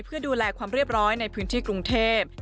เพื่อดูแลความเรียบร้อยในพื้นที่กรุงเทพ